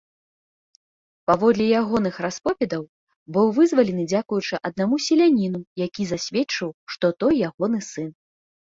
Паводле ягоных расповедаў, быў вызвалены дзякуючы аднаму селяніну, які засведчыў, што той ягоны сын.